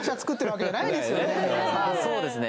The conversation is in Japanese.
そうですね